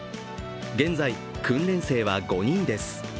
現在、訓練生は５人です。